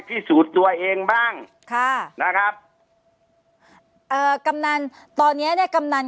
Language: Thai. พิสูจน์ตัวเองบ้างค่ะนะครับเอ่อกำนันตอนเนี้ยเนี้ยกำนัน